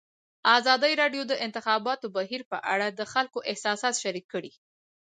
ازادي راډیو د د انتخاباتو بهیر په اړه د خلکو احساسات شریک کړي.